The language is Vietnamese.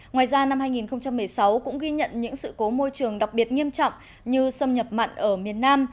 ngoài ra năm hai nghìn một mươi sáu cũng ghi nhận những sự cố môi trường đặc biệt nghiêm trọng như xâm nhập mặn ở miền nam